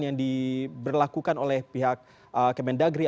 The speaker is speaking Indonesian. yang diberlakukan oleh pihak kemendagri